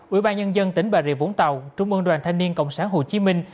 ủy ban nhân dân tỉnh bà rịa vũng tàu trung ương đoàn thanh niên cộng sản hồ chí minh